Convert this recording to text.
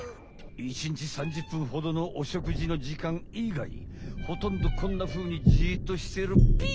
１日３０ぷんほどのお食事の時間いがいほとんどこんなふうにじっとしてるっぴ。